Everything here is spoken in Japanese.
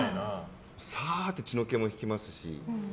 さーっと血の気も引きますし。